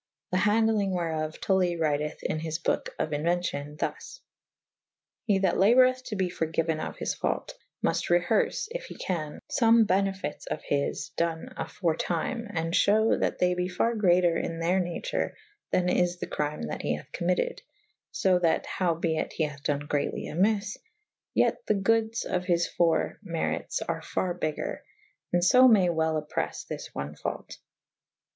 The handelynge wherof Tully wryteth in his boke of inuencion thus. He that laboreth to be forgyue/z of his faut / mul't reherce (yf he can) fome benefytes of his / done afore tvme / and fhewe tha they be farre greater in theyr nature than is the cryme that he hathe commytted / fo that (how be it he hath done greatly amyffe) yet the goodes" of his fore merites are farre bj'gger / and fo may wel oppreffe this one faut.